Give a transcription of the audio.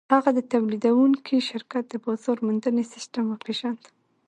هغه د تولیدوونکي شرکت د بازار موندنې سیسټم وپېژند